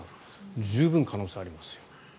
十分可能性ありますよ。